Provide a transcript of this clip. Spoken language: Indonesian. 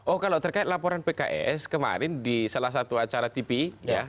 oh kalau terkait laporan pks kemarin di salah satu acara tv ya